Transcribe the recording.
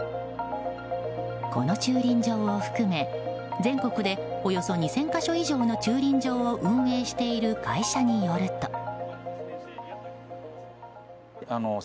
この駐輪場を含め全国でおよそ２０００か所以上の駐輪場を運営している会社によると。